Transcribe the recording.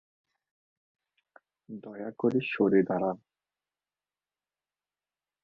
দয়া করে সরে দাঁড়ান।